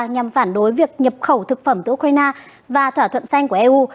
nhằm phản đối việc nhập khẩu thực phẩm từ ukraine và thỏa thuận xanh của eu